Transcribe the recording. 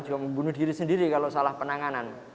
juga membunuh diri sendiri kalau salah penanganan